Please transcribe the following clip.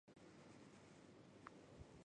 阿尔克鲁宾是葡萄牙阿威罗区的一个堂区。